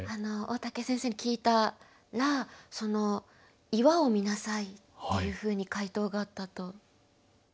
大竹先生に聞いたらその「岩を見なさい」っていうふうに回答があったと。